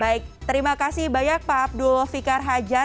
baik terima kasih banyak pak abdul fikar hajar